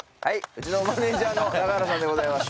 うちのマネジャーの中原さんでございます。